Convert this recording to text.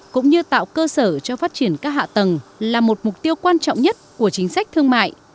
cũng như tạo cơ sở cho phát triển các hạ tầng là một mục tiêu quan trọng nhất của chính sách thương mại